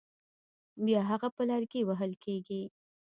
بیا هغه په لرګي وهل کېږي.